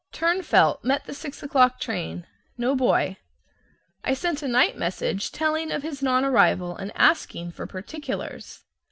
Turnfelt met the six o'clock train. No boy. I sent a night message telling of his non arrival and asking for particulars.